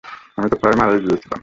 আমি তো প্রায় মারাই গিয়েছিলাম।